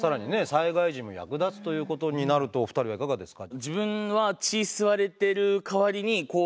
災害時も役立つということになるとお二人はいかがですか？